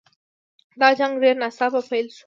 دا جنګ ډېر ناڅاپه پیل شو.